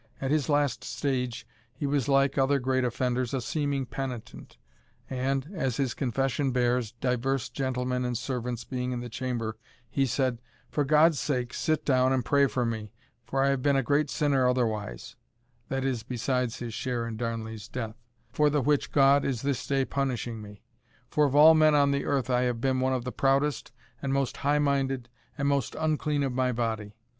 At his last stage, he was, like other great offenders, a seeming penitent; and, as his confession bears, divers gentlemen and servants being in the chamber, he said, "For God's sake, sit down and pray for me, for I have been a great sinner otherwise," (that is, besides his share in Darnley's death,) "for the which God is this day punishing me; for of all men on the earth, I have been one of the proudest, and most high minded, and most unclean of my body.